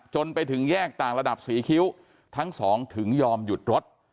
จนไปถึงแยกต่างระดับศรีคิ้วทั้งสองถึงยอมหยุดรถ